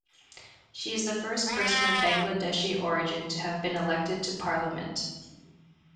She is the first person of Bangladeshi origin to have been elected to Parliament.